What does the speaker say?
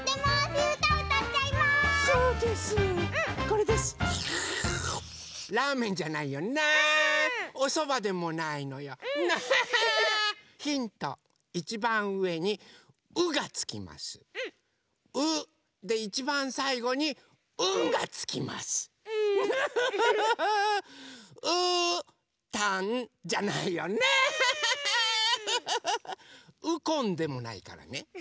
「ウコン」でもないからね。